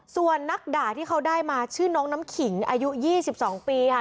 ส่วนนักด่าที่เขาได้มาชื่อน้องน้ำขิงอายุ๒๒ปีค่ะ